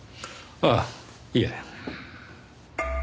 ああいえ。